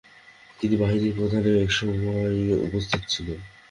তিন বাহিনীর প্রধানেরাও এ সময় উপস্থিত ছিলেন।